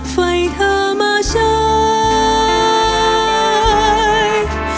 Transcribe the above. ไฟเธอมาใช้